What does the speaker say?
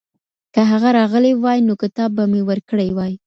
که هغه راغلی وای نو کتاب به مي ورکړی وای.